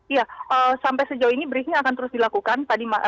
iya sampai sejauh ini briefing akan terus dilakukan